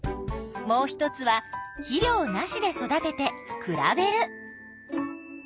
もう一つは「肥料なし」で育てて比べる。